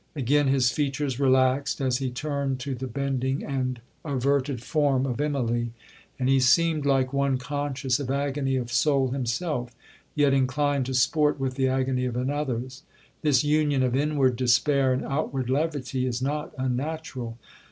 Again his features relaxed, as he turned to the bending and averted form of Immalee, and he seemed like one conscious of agony of soul himself, yet inclined to sport with the agony of another's. This union of inward despair and outward levity is not unnatural.